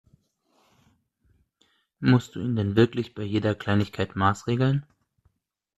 Musst du ihn denn wirklich bei jeder Kleinigkeit maßregeln?